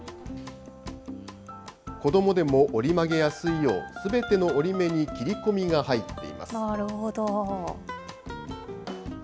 子どもでも折り曲げやすいよう、すべての折り目に切り込みが入っなるほど。